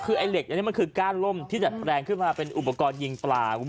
คือไอ้เหล็กอันนี้มันคือก้านล่มที่ดัดแปลงขึ้นมาเป็นอุปกรณ์ยิงปลาคุณผู้ชม